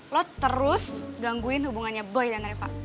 lo terus gangguin hubungannya boy dan reva